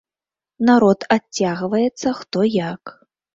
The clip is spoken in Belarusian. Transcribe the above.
Народ адцягваецца хто як.